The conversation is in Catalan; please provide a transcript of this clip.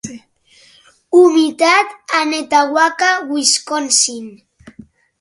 Humitat a Netawaka, Wisconsin